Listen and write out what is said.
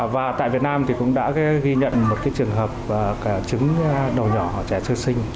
và tại việt nam thì cũng đã ghi nhận một trường hợp chứng đầu nhỏ trẻ sơ sinh